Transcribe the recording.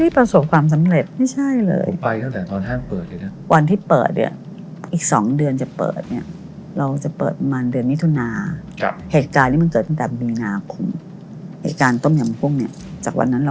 พวกนี้ก็มาหาพี่บอกว่า